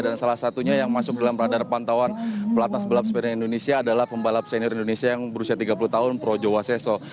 dan salah satunya yang masuk dalam radar pantauan pelatnas balap sepeda indonesia adalah pembalap senior indonesia yang berusia tiga puluh tahun projo waseso